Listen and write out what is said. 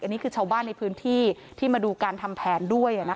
อันนี้คือชาวบ้านในพื้นที่ที่มาดูการทำแผนด้วย